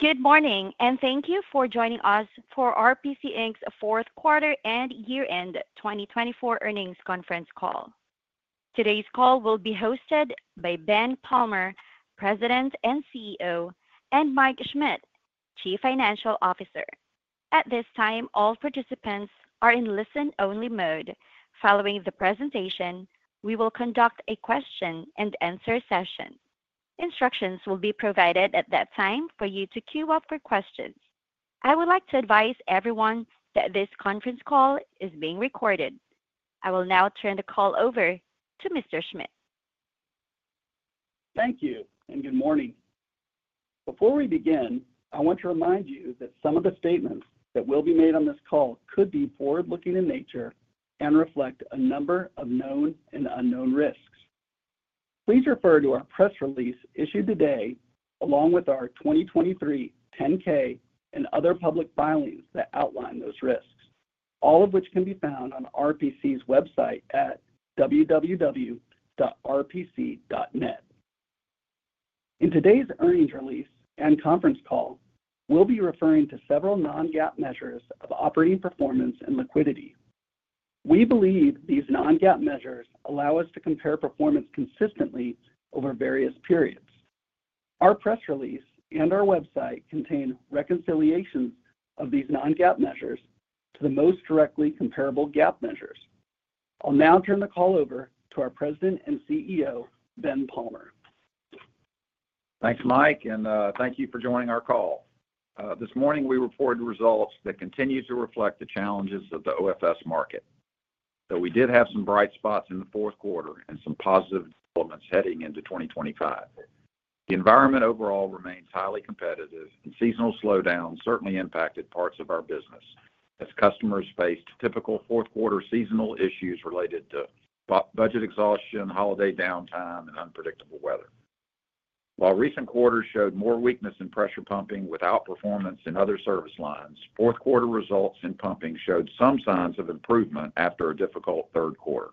Good morning, and thank you for joining us for RPC, Inc.'s Q4 and year-end 2024 earnings conference call. Today's call will be hosted by Ben Palmer, President and CEO, and Mike Schmit, Chief Financial Officer. At this time, all participants are in listen-only mode. Following the presentation, we will conduct a Q&A session. Instructions will be provided at that time for you to queue up for questions. I would like to advise everyone that this conference call is being recorded. I will now turn the call over to Mr. Schmit. Thank you, and good morning. Before we begin, I want to remind you that some of the statements that will be made on this call could be forward-looking in nature and reflect a number of known and unknown risks. Please refer to our press release issued today, along with our 2023 10-K and other public filings that outline those risks, all of which can be found on RPC's website at www.rpc.net. In today's earnings release and conference call, we'll be referring to several non-GAAP measures of operating performance and liquidity. We believe these non-GAAP measures allow us to compare performance consistently over various periods. Our press release and our website contain reconciliations of these non-GAAP measures to the most directly comparable GAAP measures. I'll now turn the call over to our President and CEO, Ben Palmer. Thanks, Mike, and thank you for joining our call. This morning, we reported results that continue to reflect the challenges of the OFS market. Though we did have some bright spots in the Q4 and some positive developments heading into 2025, the environment overall remains highly competitive, and seasonal slowdowns certainly impacted parts of our business as customers faced typical fourth-quarter seasonal issues related to budget exhaustion, holiday downtime, and unpredictable weather. While recent quarters showed more weakness in pressure pumping with outperformance in other service lines, fourth-quarter results in pumping showed some signs of improvement after a difficult Q3.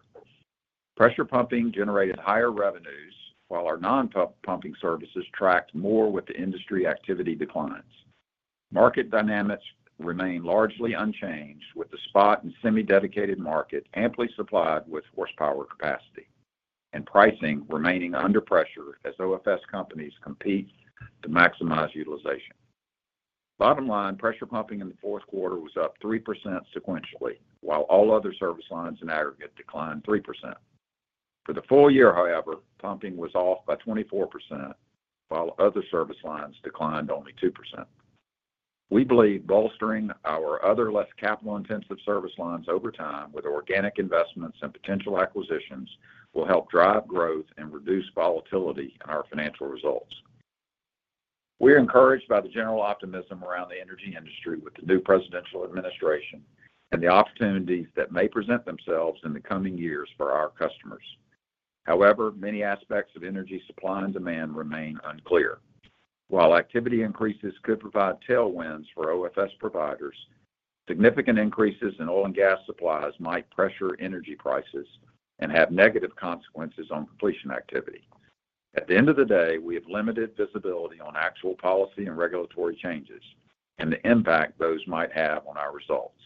Pressure pumping generated higher revenues, while our non-pumping services tracked more with the industry activity declines. Market dynamics remain largely unchanged, with the spot and semi-dedicated market amply supplied with horsepower capacity, and pricing remaining under pressure as OFS companies compete to maximize utilization. Bottom line, pressure pumping in the Q4 was up 3% sequentially, while all other service lines in aggregate declined 3%. For the full year, however, pumping was off by 24%, while other service lines declined only 2%. We believe bolstering our other less capital-intensive service lines over time with organic investments and potential acquisitions will help drive growth and reduce volatility in our financial results. We're encouraged by the general optimism around the energy industry with the new presidential administration and the opportunities that may present themselves in the coming years for our customers. However, many aspects of energy supply and demand remain unclear. While activity increases could provide tailwinds for OFS providers, significant increases in oil and gas supplies might pressure energy prices and have negative consequences on completion activity. At the end of the day, we have limited visibility on actual policy and regulatory changes and the impact those might have on our results.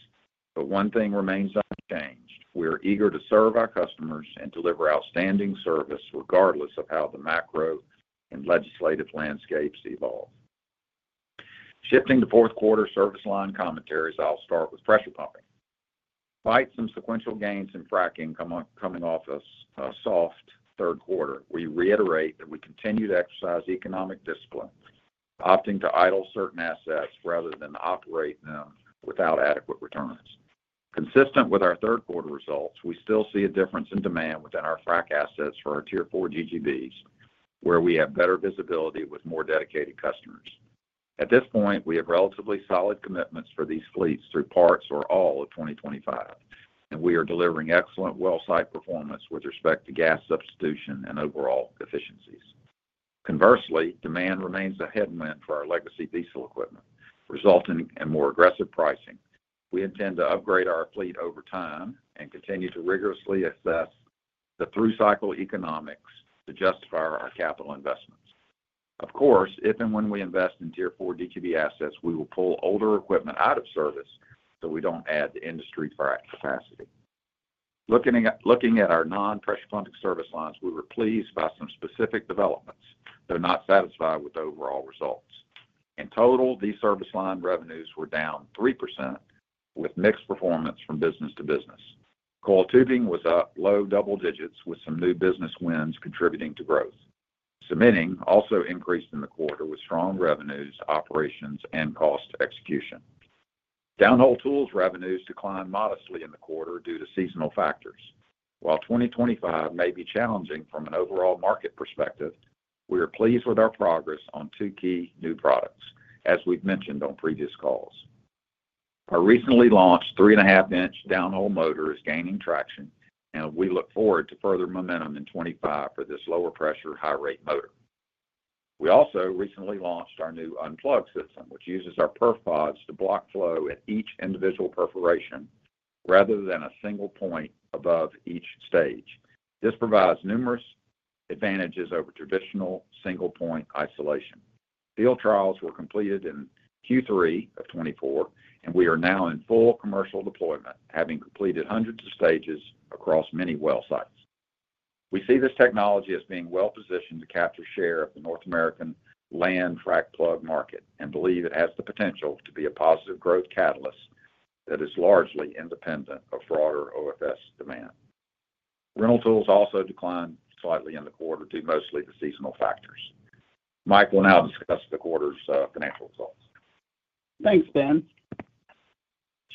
But one thing remains unchanged: we are eager to serve our customers and deliver outstanding service regardless of how the macro and legislative landscapes evolve. Shifting to Q4 service line commentaries, I'll start with pressure pumping. Despite some sequential gains in fracking coming off a soft Q3, we reiterate that we continue to exercise economic discipline, opting to idle certain assets rather than operate them without adequate returns. Consistent with our Q3 results, we still see a difference in demand within our frack assets for our Tier 4 DGBs, where we have better visibility with more dedicated customers. At this point, we have relatively solid commitments for these fleets through parts or all of 2025, and we are delivering excellent well-site performance with respect to gas substitution and overall efficiencies. Conversely, demand remains a headwind for our legacy diesel equipment, resulting in more aggressive pricing. We intend to upgrade our fleet over time and continue to rigorously assess the through-cycle economics to justify our capital investments. Of course, if and when we invest in Tier 4 DGB assets, we will pull older equipment out of service so we don't add to industry frack capacity. Looking at our non-pressure pumping service lines, we were pleased by some specific developments, though not satisfied with the overall results. In total, these service line revenues were down 3%, with mixed performance from business to business. Coiled tubing was up low double digits, with some new business wins contributing to growth. Cementing also increased in the quarter with strong revenues, operations, and cost execution. Downhole tools revenues declined modestly in the quarter due to seasonal factors. While 2025 may be challenging from an overall market perspective, we are pleased with our progress on two key new products, as we've mentioned on previous calls. Our recently launched 3.5-inch downhole motor is gaining traction, and we look forward to further momentum in 2025 for this lower-pressure, high-rate motor. We also recently launched our new UnPlug system, which uses our Perf PODs to block flow at each individual perforation rather than a single point above each stage. This provides numerous advantages over traditional single-point isolation. Field trials were completed in Q3 of 2024, and we are now in full commercial deployment, having completed hundreds of stages across many well sites. We see this technology as being well-positioned to capture share of the North American land frack plug market and believe it has the potential to be a positive growth catalyst that is largely independent of broader OFS demand. Rental tools also declined slightly in the quarter due mostly to seasonal factors. Mike will now discuss the quarter's financial results. Thanks, Ben.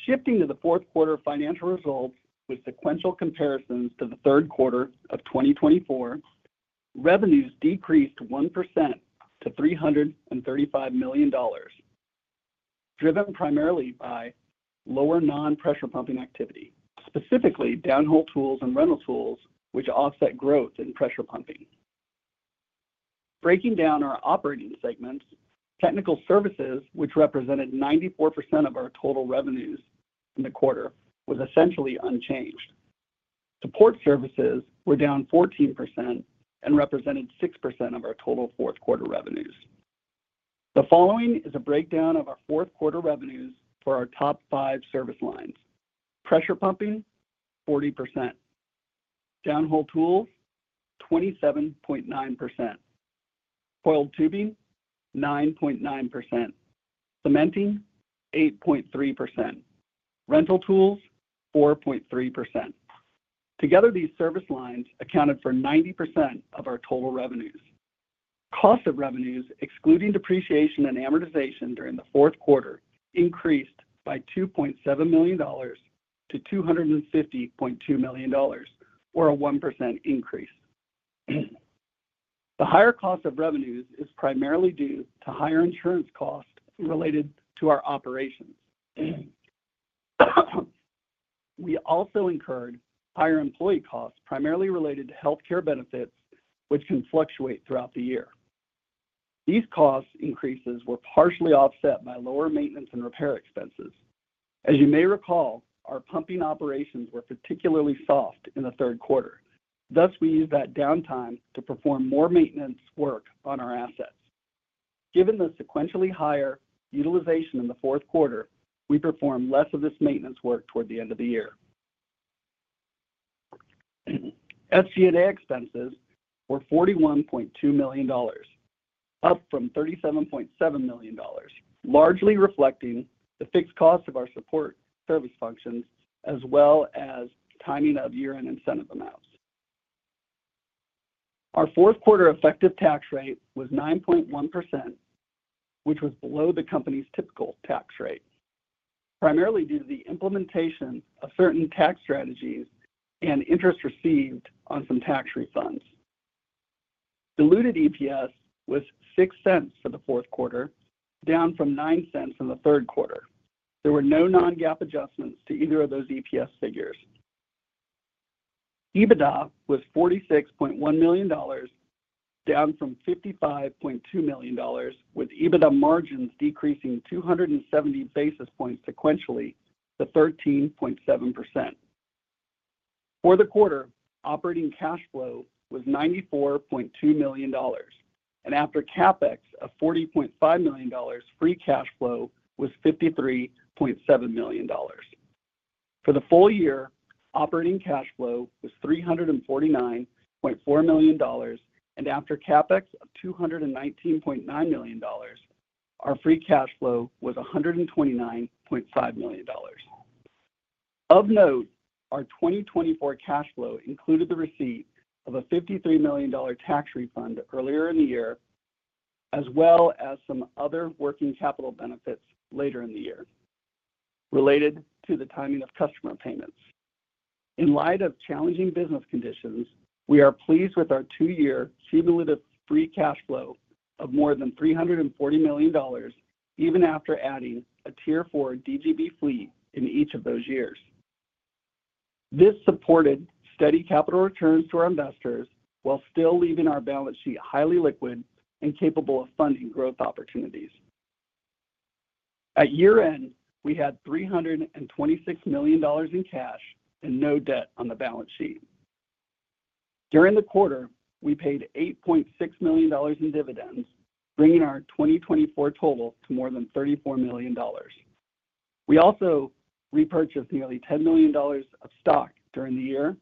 Shifting to the Q4 financial results with sequential comparisons to the Q3 of 2024, revenues decreased 1% to $335 million, driven primarily by lower non-pressure pumping activity, specifically downhole tools and rental tools, which offset growth in pressure pumping. Breaking down our operating segments, technical services, which represented 94% of our total revenues in the quarter, were essentially unchanged. Support services were down 14% and represented 6% of our total fourth-quarter revenues. The following is a breakdown of our fourth-quarter revenues for our top five service lines: pressure pumping, 40%; downhole tools, 27.9%; coiled tubing, 9.9%; cementing, 8.3%; rental tools, 4.3%. Together, these service lines accounted for 90% of our total revenues. Cost of revenues, excluding depreciation and amortization during the Q4, increased by $2.7 million to $250.2 million, or a 1% increase. The higher cost of revenues is primarily due to higher insurance costs related to our operations. We also incurred higher employee costs primarily related to healthcare benefits, which can fluctuate throughout the year. These cost increases were partially offset by lower maintenance and repair expenses. As you may recall, our pumping operations were particularly soft in the Q3. Thus, we used that downtime to perform more maintenance work on our assets. Given the sequentially higher utilization in the Q4, we performed less of this maintenance work toward the end of the year. SG&A expenses were $41.2 million, up from $37.7 million, largely reflecting the fixed cost of our support service functions as well as timing of year-end incentive amounts. Our fourth-quarter effective tax rate was 9.1%, which was below the company's typical tax rate, primarily due to the implementation of certain tax strategies and interest received on some tax refunds. Diluted EPS was $0.06 for the Q4, down from $0.09 in the Q3. There were no non-GAAP adjustments to either of those EPS figures. EBITDA was $46.1 million, down from $55.2 million, with EBITDA margins decreasing 270 basis points sequentially to 13.7%. For the quarter, operating cash flow was $94.2 million, and after CapEx of $40.5 million, free cash flow was $53.7 million. For the full year, operating cash flow was $349.4 million, and after CapEx of $219.9 million, our free cash flow was $129.5 million. Of note, our 2024 cash flow included the receipt of a $53 million tax refund earlier in the year, as well as some other working capital benefits later in the year related to the timing of customer payments. In light of challenging business conditions, we are pleased with our two-year cumulative free cash flow of more than $340 million, even after adding a Tier 4 DGB fleet in each of those years. This supported steady capital returns to our investors while still leaving our balance sheet highly liquid and capable of funding growth opportunities. At year-end, we had $326 million in cash and no debt on the balance sheet. During the quarter, we paid $8.6 million in dividends, bringing our 2024 total to more than $34 million. We also repurchased nearly $10 million of stock during the year,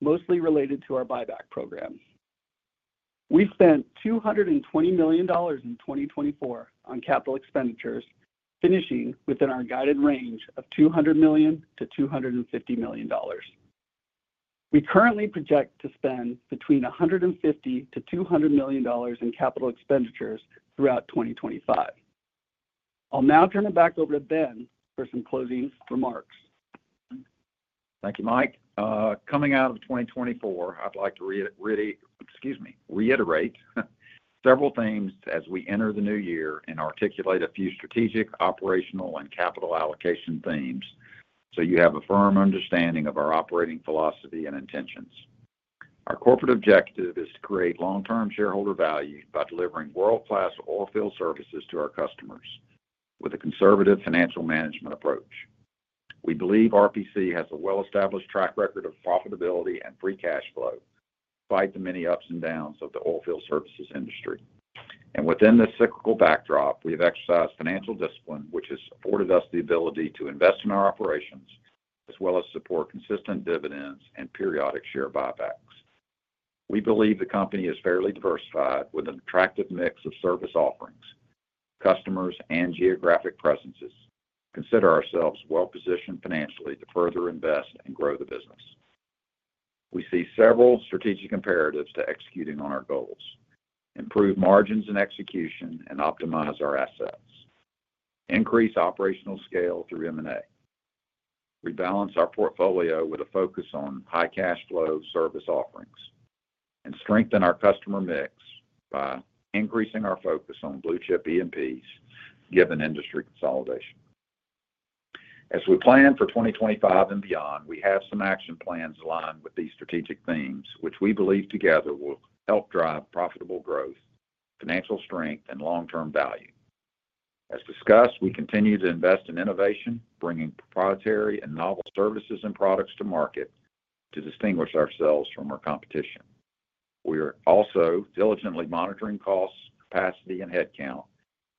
mostly related to our buyback program. We spent $220 million in 2024 on capital expenditures, finishing within our guided range of $200 million-$250 million. We currently project to spend between $150-$200 million in capital expenditures throughout 2025. I'll now turn it back over to Ben for some closing remarks. Thank you, Mike. Coming out of 2024, I'd like to reiterate several themes as we enter the new year and articulate a few strategic, operational, and capital allocation themes so you have a firm understanding of our operating philosophy and intentions. Our corporate objective is to create long-term shareholder value by delivering world-class oilfield services to our customers with a conservative financial management approach. We believe RPC has a well-established track record of profitability and free cash flow despite the many ups and downs of the oilfield services industry. And within this cyclical backdrop, we have exercised financial discipline, which has afforded us the ability to invest in our operations as well as support consistent dividends and periodic share buybacks. We believe the company is fairly diversified with an attractive mix of service offerings, customers, and geographic presences. We consider ourselves well-positioned financially to further invest and grow the business. We see several strategic imperatives to executing on our goals: improve margins and execution and optimize our assets. Increase operational scale through M&A. Rebalance our portfolio with a focus on high-cash-flow service offerings. And strengthen our customer mix by increasing our focus on blue-chip E&Ps given industry consolidation. As we plan for 2025 and beyond, we have some action plans aligned with these strategic themes, which we believe together will help drive profitable growth, financial strength, and long-term value. As discussed, we continue to invest in innovation, bringing proprietary and novel services and products to market to distinguish ourselves from our competition. We are also diligently monitoring costs, capacity, and headcount,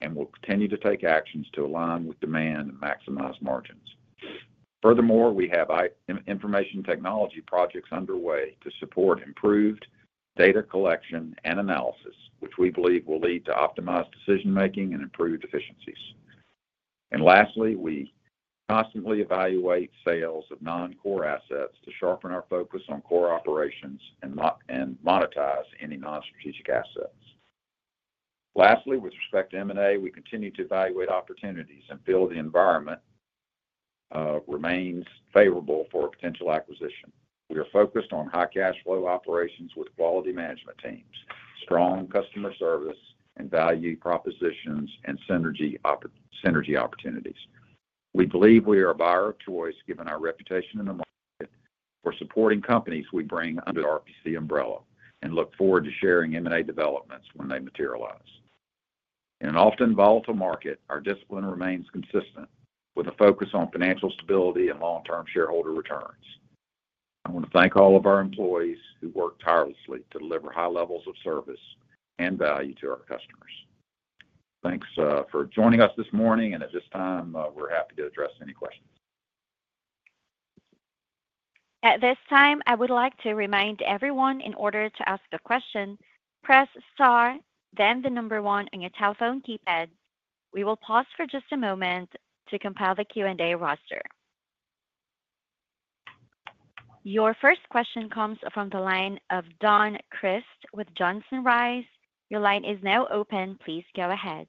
and will continue to take actions to align with demand and maximize margins. Furthermore, we have information technology projects underway to support improved data collection and analysis, which we believe will lead to optimized decision-making and improved efficiencies. Lastly, we constantly evaluate sales of non-core assets to sharpen our focus on core operations and monetize any non-strategic assets. Lastly, with respect to M&A, we continue to evaluate opportunities and feel the environment remains favorable for a potential acquisition. We are focused on high-cash-flow operations with quality management teams, strong customer service, and value propositions and synergy opportunities. We believe we are a buyer of choice given our reputation in the market for supporting companies we bring under the RPC umbrella and look forward to sharing M&A developments when they materialize. In an often volatile market, our discipline remains consistent with a focus on financial stability and long-term shareholder returns. I want to thank all of our employees who work tirelessly to deliver high levels of service and value to our customers. Thanks for joining us this morning, and at this time, we're happy to address any questions. At this time, I would like to remind everyone in order to ask a question, press star, then the number one on your telephone keypad. We will pause for just a moment to compile the Q&A roster. Your first question comes from the line of Don Crist with Johnson Rice. Your line is now open. Please go ahead.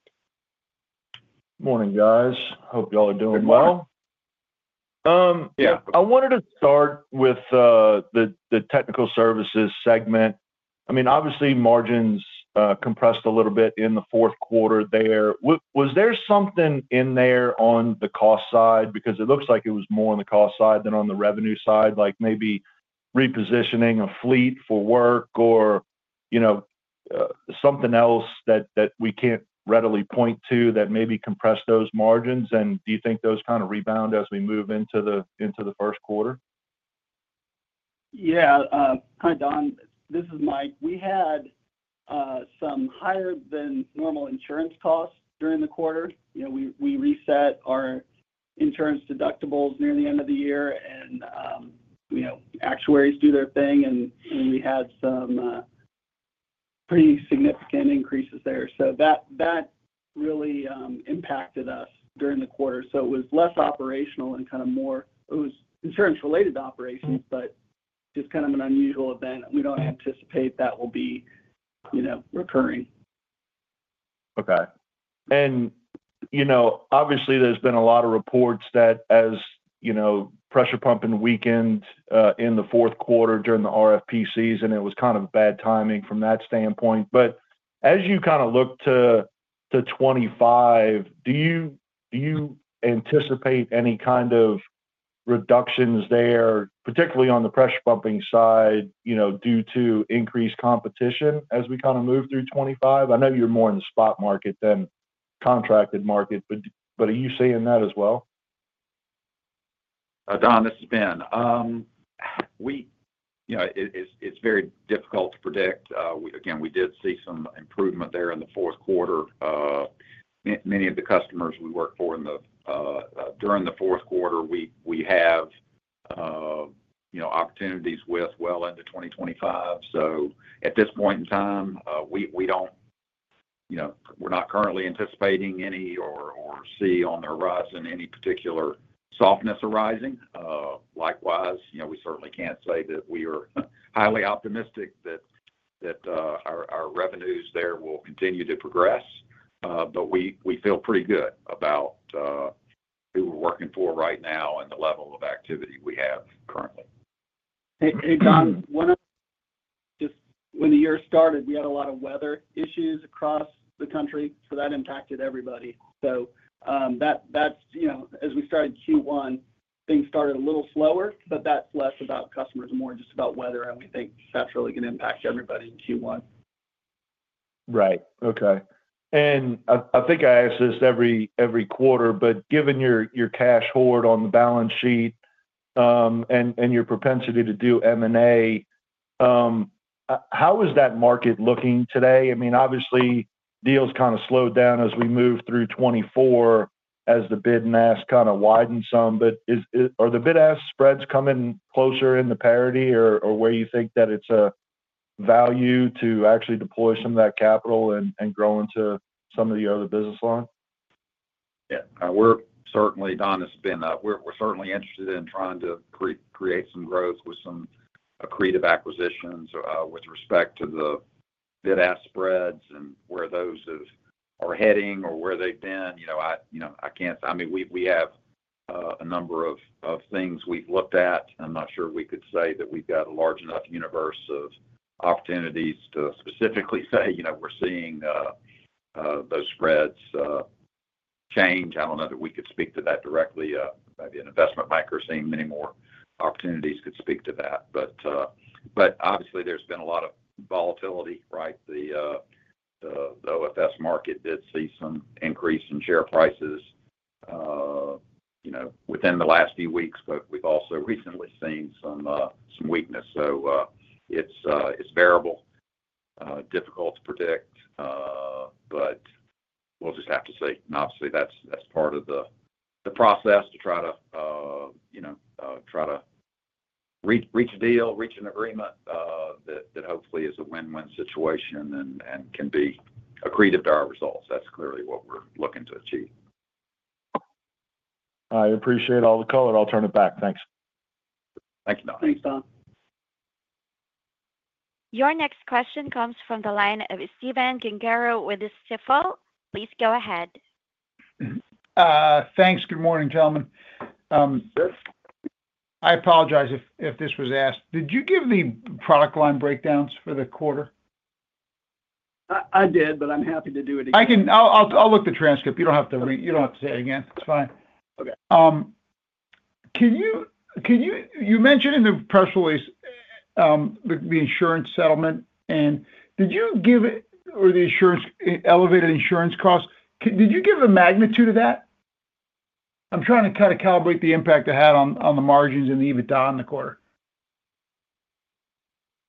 Morning, guys. Hope y'all are doing well. Good morning. Yeah. I wanted to start with the technical services segment. I mean, obviously, margins compressed a little bit in the Q4 there. Was there something in there on the cost side? Because it looks like it was more on the cost side than on the revenue side, like maybe repositioning a fleet for work or something else that we can't readily point to that maybe compressed those margins, and do you think those kind of rebound as we move into the Q1? Yeah. Hi, Don. This is Mike. We had some higher-than-normal insurance costs during the quarter. We reset our insurance deductibles near the end of the year, and actuaries do their thing, and we had some pretty significant increases there. So that really impacted us during the quarter. So it was less operational and kind of more it was insurance-related operations, but just kind of an unusual event. We don't anticipate that will be recurring. Okay. And obviously, there's been a lot of reports that as pressure pumping weakened in the Q4 during the RFP season, it was kind of bad timing from that standpoint. But as you kind of look to 2025, do you anticipate any kind of reductions there, particularly on the pressure pumping side, due to increased competition as we kind of move through 2025? I know you're more in the spot market than contracted market, but are you seeing that as well? Don, this is Ben. It's very difficult to predict. Again, we did see some improvement there in the Q4. Many of the customers we work for during the Q4, we have opportunities with well into 2025. So at this point in time, we're not currently anticipating any or see on the horizon any particular softness arising. Likewise, we certainly can't say that we are highly optimistic that our revenues there will continue to progress, but we feel pretty good about who we're working for right now and the level of activity we have currently. Hey, Don. When the year started, we had a lot of weather issues across the country, so that impacted everybody. So as we started Q1, things started a little slower, but that's less about customers and more just about weather, and we think that's really going to impact everybody in Q1. Right. Okay. And I think I ask this every quarter, but given your cash hoard on the balance sheet and your propensity to do M&A, how is that market looking today? I mean, obviously, deals kind of slowed down as we moved through 2024 as the bid and ask kind of widened some, but are the bid-ask spreads coming closer in the parity or where you think that it's a value to actually deploy some of that capital and grow into some of the other business lines? Yeah. Don, this has been up. We're certainly interested in trying to create some growth with some accretive acquisitions with respect to the bid-ask spreads and where those are heading or where they've been. I mean, we have a number of things we've looked at. I'm not sure we could say that we've got a large enough universe of opportunities to specifically say we're seeing those spreads change. I don't know that we could speak to that directly. Maybe an investment banker seeing many more opportunities could speak to that. But obviously, there's been a lot of volatility, right? The OFS market did see some increase in share prices within the last few weeks, but we've also recently seen some weakness. So it's variable, difficult to predict, but we'll just have to see. Obviously, that's part of the process to try to reach a deal, reach an agreement that hopefully is a win-win situation and can be accretive to our results. That's clearly what we're looking to achieve. I appreciate all the color. I'll turn it back. Thanks. Thank you, Don. Thanks, Don. Your next question comes from the line of Stephen Gengaro with Stifel. Please go ahead. Thanks. Good morning, gentlemen. I apologize if this was asked. Did you give the product line breakdowns for the quarter? I did, but I'm happy to do it again. I'll look at the transcript. You don't have to say it again. It's fine. Okay. You mentioned in the press release the insurance settlement, and did you give it or the elevated insurance costs? Did you give a magnitude of that? I'm trying to kind of calibrate the impact it had on the margins and EBITDA in the quarter.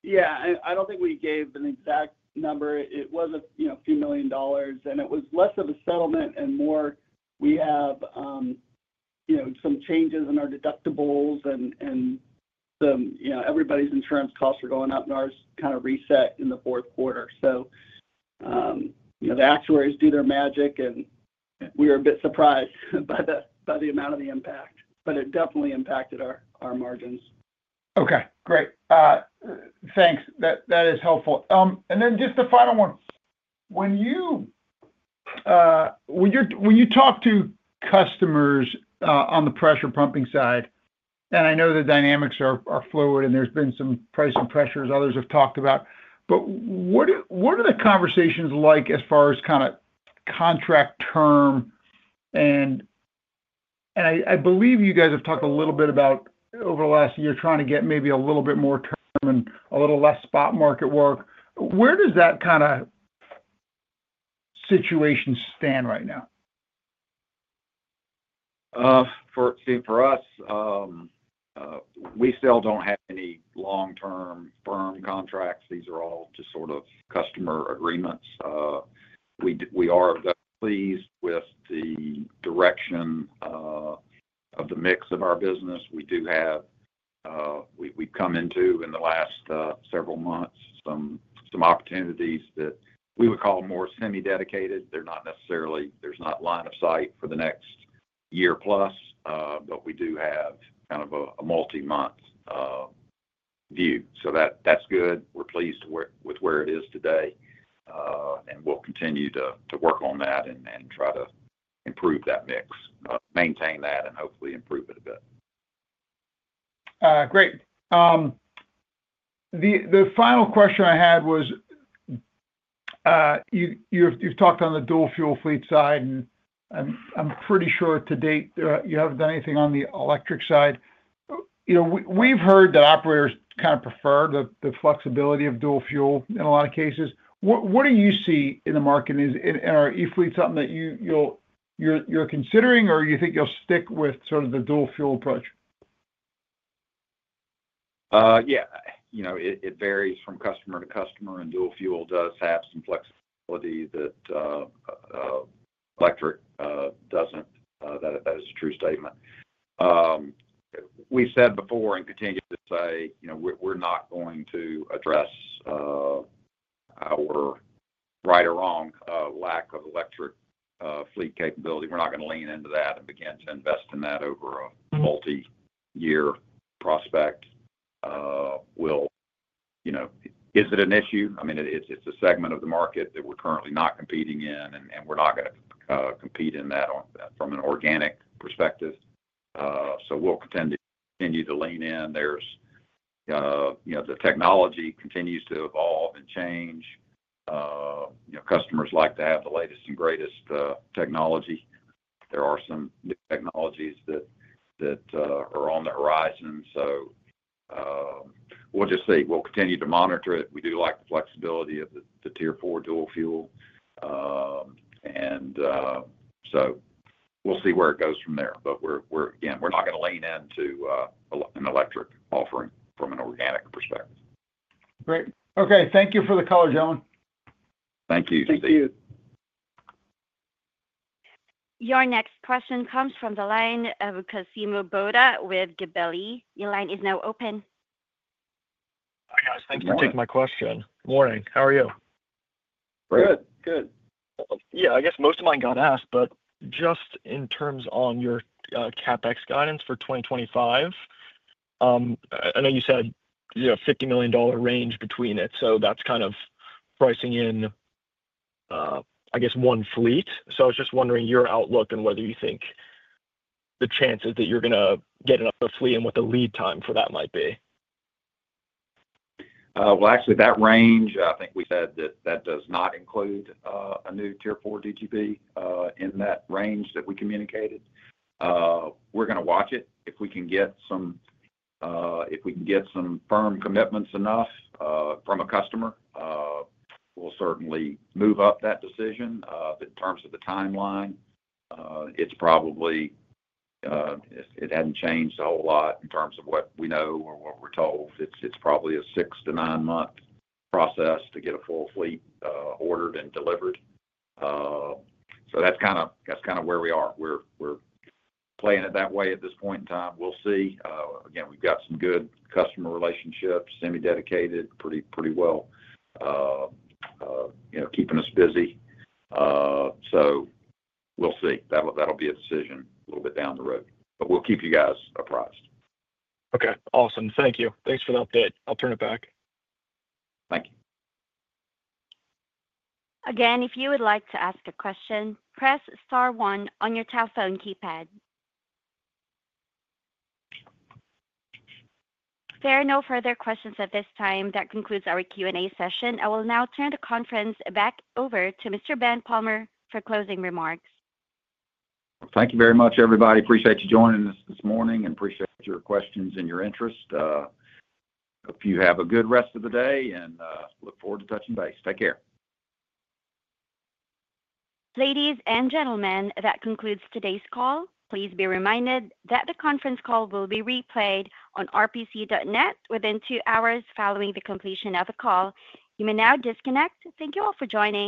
Yeah. I don't think we gave an exact number. It was a few million dollars, and it was less of a settlement and more we have some changes in our deductibles and everybody's insurance costs are going up, and ours kind of reset in the Q4. So the actuaries do their magic, and we were a bit surprised by the amount of the impact, but it definitely impacted our margins. Okay. Great. Thanks. That is helpful. And then just the final one. When you talk to customers on the pressure pumping side, and I know the dynamics are fluid and there's been some pricing pressures others have talked about, but what are the conversations like as far as kind of contract term? And I believe you guys have talked a little bit about over the last year trying to get maybe a little bit more term and a little less spot market work. Where does that kind of situation stand right now? For us, we still don't have any long-term firm contracts. These are all just sort of customer agreements. We are pleased with the direction of the mix of our business. We do have—we've come into in the last several months some opportunities that we would call more semi-dedicated. There's not line of sight for the next year plus, but we do have kind of a multi-month view. So that's good. We're pleased with where it is today, and we'll continue to work on that and try to improve that mix, maintain that, and hopefully improve it a bit. Great. The final question I had was you've talked on the dual fuel fleet side, and I'm pretty sure to date you haven't done anything on the electric side. We've heard that operators kind of prefer the flexibility of dual fuel in a lot of cases. What do you see in the market? And are e-fleets something that you're considering, or do you think you'll stick with sort of the dual fuel approach? Yeah. It varies from customer to customer, and dual fuel does have some flexibility that electric doesn't. That is a true statement. We've said before and continue to say we're not going to address our right or wrong lack of electric fleet capability. We're not going to lean into that and begin to invest in that over a multi-year prospect. Is it an issue? I mean, it's a segment of the market that we're currently not competing in, and we're not going to compete in that from an organic perspective. So we'll continue to lean in. The technology continues to evolve and change. Customers like to have the latest and greatest technology. There are some new technologies that are on the horizon. So we'll just see. We'll continue to monitor it. We do like the flexibility of the Tier 4 dual fuel. And so we'll see where it goes from there. But again, we're not going to lean into an electric offering from an organic perspective. Great. Okay. Thank you for the call, gentlemen. Thank you. Thank you. Your next question comes from the line of Cosimo Botta with Gabelli. Your line is now open. Hi, guys. Thanks for taking my question. Good morning. How are you? Good. Good. Yeah. I guess most of mine got asked, but just in terms on your CapEx guidance for 2025, I know you said a $50 million range between it. So that's kind of pricing in, I guess, one fleet. So I was just wondering your outlook and whether you think the chances that you're going to get enough of a fleet and what the lead time for that might be. Actually, that range, I think we said that that does not include a new Tier 4 DGB in that range that we communicated. We're going to watch it. If we can get some firm commitments enough from a customer, we'll certainly move up that decision. In terms of the timeline, it's probably it hasn't changed a whole lot in terms of what we know or what we're told. It's probably a six- to nine-month process to get a full fleet ordered and delivered. So that's kind of where we are. We're playing it that way at this point in time. We'll see. Again, we've got some good customer relationships, semi-dedicated, pretty well keeping us busy. So we'll see. That'll be a decision a little bit down the road. But we'll keep you guys apprised. Okay. Awesome. Thank you. Thanks for the update. I'll turn it back. Thank you. Again, if you would like to ask a question, press star one on your telephone keypad. There are no further questions at this time. That concludes our Q&A session. I will now turn the conference back over to Mr. Ben Palmer for closing remarks. Thank you very much, everybody. Appreciate you joining us this morning and appreciate your questions and your interest. I hope you have a good rest of the day and look forward to touching base. Take care. Ladies and gentlemen, that concludes today's call. Please be reminded that the conference call will be replayed on rpc.net within two hours following the completion of the call. You may now disconnect. Thank you all for joining.